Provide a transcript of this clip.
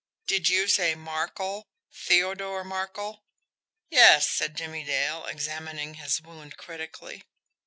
"Did you say Markel Theodore Markel?" "Yes," said Jimmie Dale, examining his wound critically.